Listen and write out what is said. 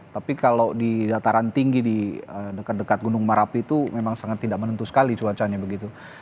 tapi kalau di dataran tinggi di dekat dekat gunung merapi itu memang sangat tidak menentu sekali cuacanya begitu